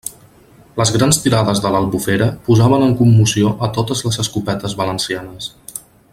Les grans tirades de l'Albufera posaven en commoció a totes les escopetes valencianes.